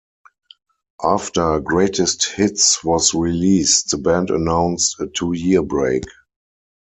After "Greatest Hits" was released, the band announced a two-year break.